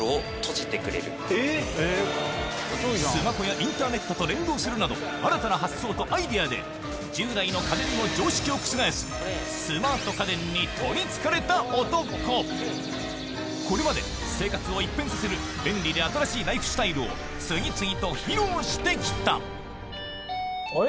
スマホやインターネットと連動するなど新たな発想とアイデアで従来のこれまで生活を一変させる便利で新しいライフスタイルを次々と披露して来たあれ？